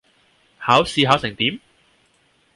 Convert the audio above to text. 考試考成點?